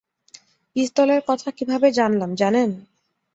পিস্তলের কথা কীভাবে জানলাম, জানেন?